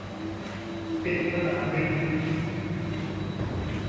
ปิดสนามบิน